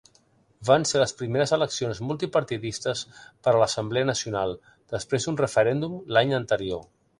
Van ser les primeres eleccions multipartidistes per a l'Assemblea Nacional, després d'un referèndum l'any anterior.